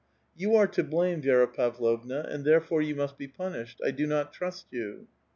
*' You are to blame, Vi^ra Pavlovna, and, tiierefore, you must be punished ; I do not trust you !